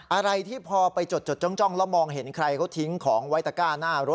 อะไรที่พอไปจดจ้องแล้วมองเห็นใครเขาทิ้งของไว้ตะก้าหน้ารถ